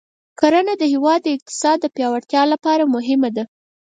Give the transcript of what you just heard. کرنه د هېواد د اقتصاد د پیاوړتیا لپاره مهمه ده.